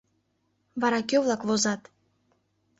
— Вара кӧ-влак возат?